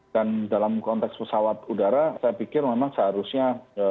dan dalam konteks pesawat udara saya pikir memang seharusnya